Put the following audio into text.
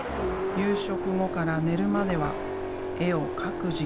夕食後から寝るまでは絵を描く時間。